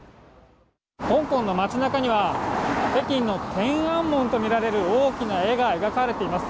香港の街なかには、北京の天安門と見られる大きな絵が描かれています。